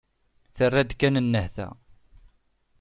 Terra-d kan nnehta.